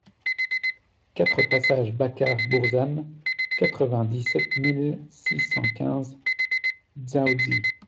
quatre passage Bacar Bourzane, quatre-vingt-dix-sept mille six cent quinze Dzaoudzi